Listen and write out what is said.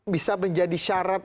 bisa menjadi syarat